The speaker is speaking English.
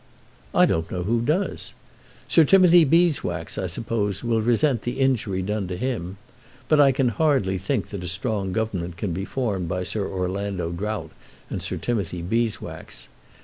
"I don't know who does. Sir Timothy Beeswax, I suppose, will resent the injury done to him. But I can hardly think that a strong government can be formed by Sir Orlando Drought and Sir Timothy Beeswax.